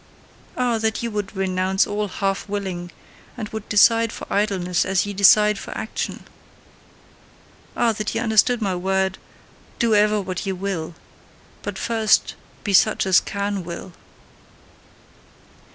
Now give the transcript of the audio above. Ah, that ye would renounce all HALF willing, and would decide for idleness as ye decide for action! Ah, that ye understood my word: "Do ever what ye will but first be such as CAN WILL.